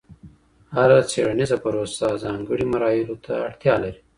هر څېړنیز پروسه ځانګړي مراحلو ته اړتیا لري.